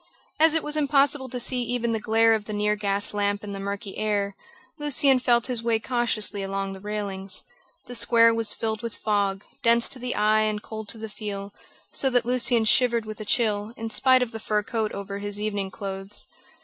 As it was impossible to see even the glare of the near gas lamp in the murky air, Lucian felt his way cautiously along the railings. The square was filled with fog, dense to the eye and cold to the feel, so that Lucian shivered with the chill, in spite of the fur coat over his evening clothes.